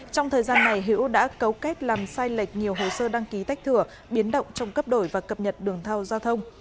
trong thời gian này hữu đã cấu kết làm sai lệch nhiều hồ sơ đăng ký tách thừa biến động trong cấp đổi và cập nhật đường thào giao thông